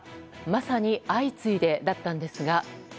まさに相次いでだったんですが。